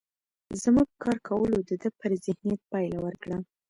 زموږ کار کولو د ده پر ذهنيت پايله ورکړه.